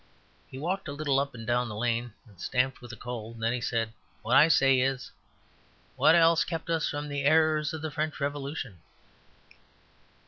He walked a little up and down the lane and stamped with the cold. Then he said, "What I say is, what else kept us from the 'errors of the French Revolution?"